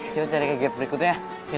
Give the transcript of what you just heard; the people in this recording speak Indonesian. yuk cari ke gate berikutnya ya